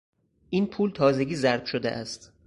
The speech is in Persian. این پول تازگی ضرب شده است.